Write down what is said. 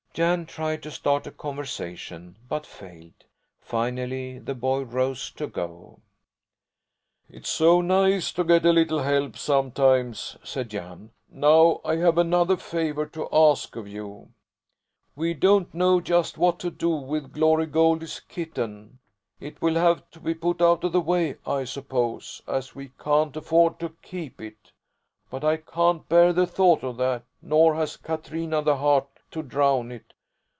Jan tried to start a conversation, but failed. Finally the boy rose to go. "It's so nice to get a little help sometimes," said Jan. "Now I have another favour to ask of you. We don't know just what to do with Glory Goldie's kitten. It will have to be put out of the way, I suppose, as we can't afford to keep it; but I can't bear the thought of that, nor has Katrina the heart to drown it.